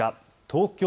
東京